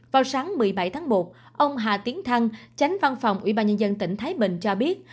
vào sáng một mươi bảy tháng một ông hà tiến thăng tránh văn phòng ubnd tỉnh thái bình cho biết